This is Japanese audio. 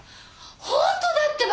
本当だってば！